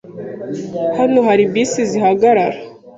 Hano hari bisi zihagarara.